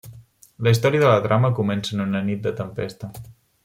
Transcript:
La història de la trama comença en una nit de tempesta.